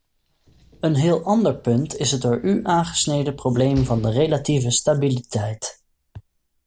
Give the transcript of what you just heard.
Een heel ander punt is het door u aangesneden probleem van de relatieve stabiliteit.